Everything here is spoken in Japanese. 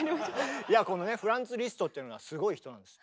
このねフランツ・リストっていうのがすごい人なんです。